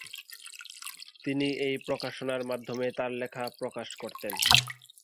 তিনি এই প্রকাশনার মাধ্যমে তার লেখা প্রকাশ করতেন।